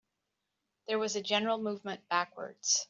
There was a general movement backwards.